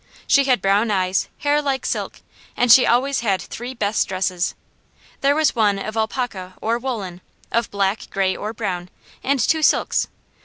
She had brown eyes, hair like silk, and she always had three best dresses. There was one of alpaca or woollen, of black, gray or brown, and two silks.